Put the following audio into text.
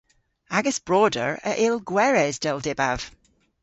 Agas broder a yll gweres, dell dybav.